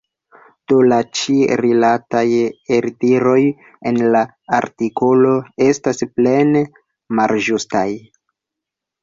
Do la ĉi-rilataj eldiroj en la artikolo estas plene malĝustaj.